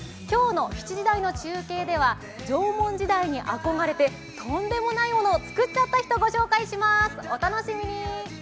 今日の７時台の中継では縄文時代に憧れてとんでもないものを作っちゃった人をご紹介します。